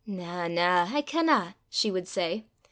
"Na, na; I canna," she would say.